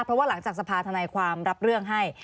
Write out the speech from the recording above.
เพราะว่าหลังจากสภาธนายความรับเรื่องให้